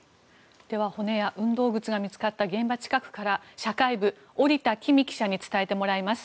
では骨や運動靴が見つかった現場近くから社会部、織田妃美記者に伝えてもらいます。